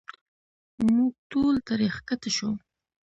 موږ ټول ترې ښکته شو.